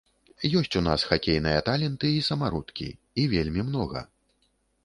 Ёсць у нас хакейныя таленты і самародкі, і вельмі многа!